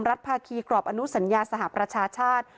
ภาคีกรอบอนุสัญญาสหประชาชาติ